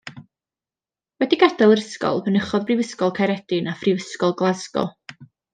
Wedi gadael yr ysgol mynychodd Brifysgol Caeredin a Phrifysgol Glasgow.